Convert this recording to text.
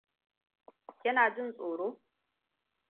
Ki na jin tsoro?